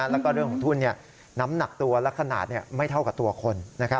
แล้วก็เรื่องของทุนน้ำหนักตัวและขนาดไม่เท่ากับตัวคน